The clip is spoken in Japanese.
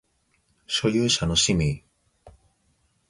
所有者の氏名